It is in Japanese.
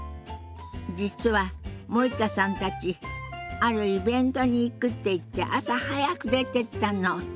実は森田さんたちあるイベントに行くって言って朝早く出てったの。